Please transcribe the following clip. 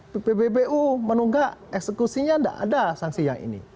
pppu menunggak eksekusinya tidak ada sanksi yang ini